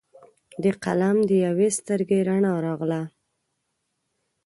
د قلم د یوي سترګې رڼا راغله